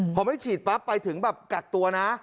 พอไม่ได้ฉีดปั๊บไปถึงแบบกักตัวนะ